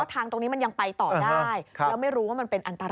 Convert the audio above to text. ทางตรงนี้มันยังไปต่อได้แล้วไม่รู้ว่ามันเป็นอันตราย